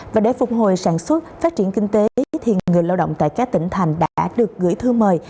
và để phục hồi sản xuất phát triển kinh tế thì người lao động tại các tỉnh thành đã được gửi thư mời